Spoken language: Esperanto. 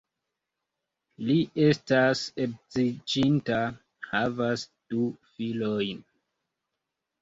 Li estas edziĝinta, havas du filojn.